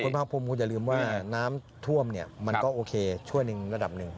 คนบ้านผมก็จะลืมว่าน้ำท่วมมันก็โอเคช่วยในระดับหนึ่ง